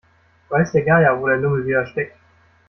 Weiß der Geier, wo der Lümmel wieder steckt.